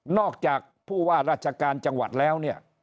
จากผู้ว่าราชการจังหวัดแล้วเนี่ย